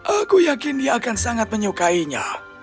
aku yakin dia akan sangat menyukainya